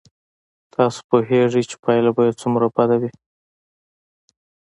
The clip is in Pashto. تاسو پوهېږئ چې پایله به یې څومره بد وي.